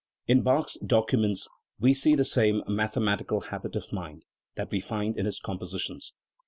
In Bach's documents we see the same mathematical habit of inind that we find in his compositions.